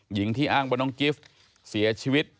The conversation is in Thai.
หญิงที่อ้างว่าน้องกิฟต์เสียชีวิต